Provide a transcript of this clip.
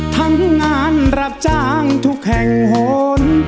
ทั้งงานรับจ้างทุกแห่งโหน